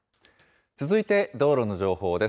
続いて道路の情報です。